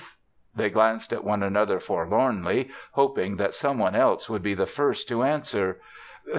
They glanced at one another forlornly, hoping that someone else would be the first to answer.